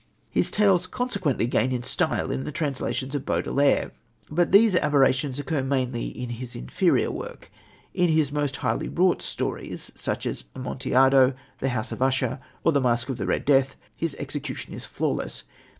His tales consequently gain in style in the translations of Baudelaire. But these aberrations occur mainly in his inferior work. In his most highly wrought stories, such as Amontillado, The House of Usher, or The Masque of the Red Death, the execution is flawless.